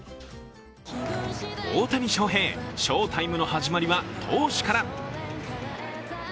大谷翔平、翔タイムの始まりは投手から。